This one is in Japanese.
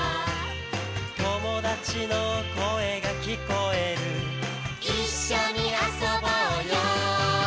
「友達の声が聞こえる」「一緒に遊ぼうよ」